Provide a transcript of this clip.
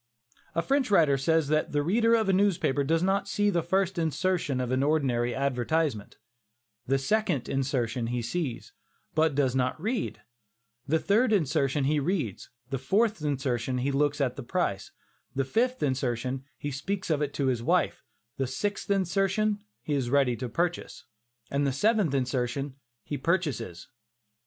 '" A French writer says that "The reader of a newspaper does not see the first insertion of an ordinary advertisement; the second insertion he sees, but does not read; the third insertion he reads; the fourth insertion, he looks at the price; the fifth insertion, he speaks of it to his wife; the sixth insertion, he is ready to purchase, and the seventh insertion, he purchases."